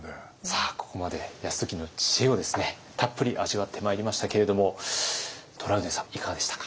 さあここまで泰時の知恵をたっぷり味わってまいりましたけれどもトラウデンさんいかがでしたか？